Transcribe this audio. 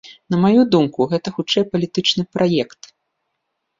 На маю думку, гэта хутчэй палітычны праект.